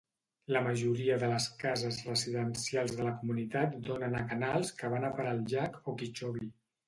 La majoria de les cases residencials de la comunitat donen a canals que van a parar al llac Okeechobee.